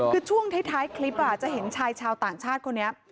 คือช่วงท้ายคลิปจะเห็นชายชาวต่างชาติคนนี้